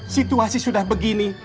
situasi sudah begini